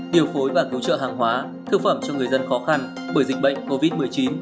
điều phối và cứu trợ hàng hóa thương phẩm cho người dân khó khăn bởi dịch bệnh covid một mươi chín